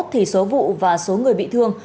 thì số vụ và số người bị thương